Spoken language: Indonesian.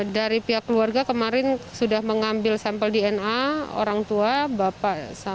dari pihak keluarga kemarin sudah mengambil sampel dna orang tua bapak